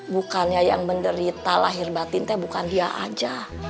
bukannya yang menderita lahir batin teh bukan dia aja